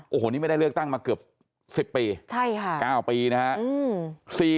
โอ้โหนี่ไม่ได้เลือกตั้งมาเกือบ๑๐ปี๙ปีนะฮะ